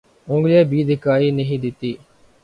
انگلیاں بھی دیکھائی نہیں دیتی